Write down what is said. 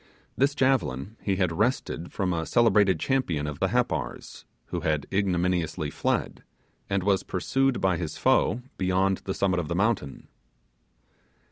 This javelin he had wrested from a celebrated champion of the Happars, who had ignominiously fled, and was pursued by his foes beyond the summit of the mountain.